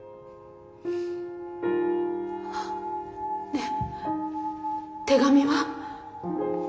ねえ手紙は？